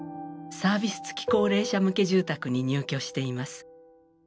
サービス付き高齢者向け住宅に入居しています。